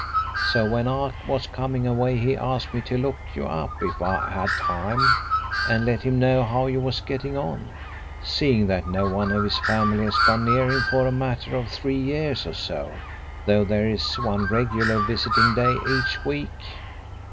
So when I was coming away he asked me to look you up if I had time, and let him know how you was getting on, seeing that none of his family has gone near him for a matter of three years or so, though there is one regular visiting day each week."